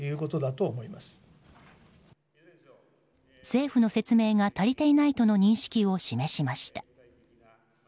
政府の説明が足りていないとの認識を示しました。